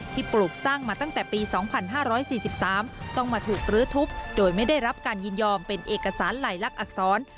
ปลูกสร้างมาตั้งแต่ปี๒๕๔๓ต้องมาถูกลื้อทุบโดยไม่ได้รับการยินยอมเป็นเอกสารไหล่ลักษณอักษร